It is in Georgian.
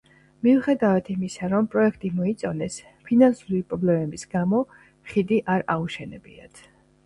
მიუხედავად იმისა, რომ პროექტი მოიწონეს, ფინანსური პრობლემების გამო ხიდი არ აუშენებიათ.